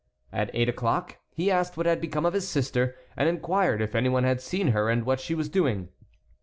At eight o'clock he asked what had become of his sister, and inquired if any one had seen her and what she was doing.